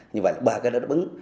như vậy là ba cái đó đáp ứng